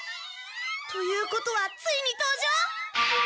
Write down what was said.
ということはついに登場？